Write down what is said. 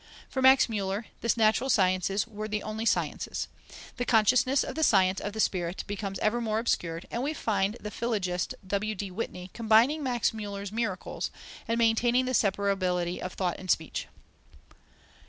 For Max Müller, the natural sciences were the only sciences. The consciousness of the science of the spirit becomes ever more obscured, and we find the philologist W.D. Whitney combating Max Müller's "miracles" and maintaining the separability of thought and speech.